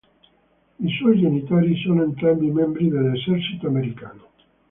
I suoi genitori sono entrambi membri dell'esercito americano.